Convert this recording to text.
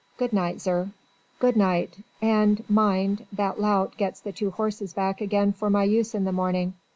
Good night, zir." "Good night. And mind that lout gets the two horses back again for my use in the morning.